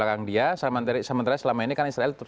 bahwa amerika di belakang dia sementara selama ini kan israel